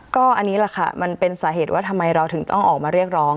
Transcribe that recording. ก็อันนี้แหละค่ะมันเป็นสาเหตุว่าทำไมเราถึงต้องออกมาเรียกร้อง